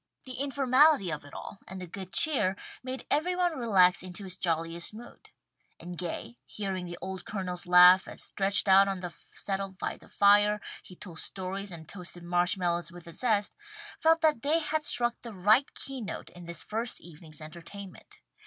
The informality of it all, and the good cheer, made every one relax into his jolliest mood, and Gay, hearing the old Colonel's laugh, as stretched out on the settle by the fire, he told stories and toasted marsh mallows with a zest, felt that they had struck the right key note in this first evening's entertainment.